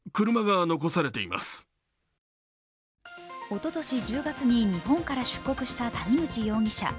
おととし１０月に日本から出国した谷口容疑者。